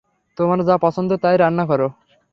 তোমার যা পছন্দ তাই রান্না কর।